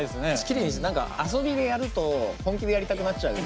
きれいにして何か遊びでやると本気でやりたくなっちゃう。